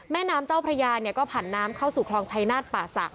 แม่น้ำเจ้าพระยาเนี่ยก็ผ่านน้ำเข้าสู่คลองชายนาฏป่าศักด